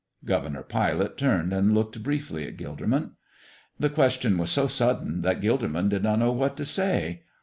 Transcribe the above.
Governor Pilate turned and looked briefly at Gilderman. The question was so sudden that Gilderman did not know what to say.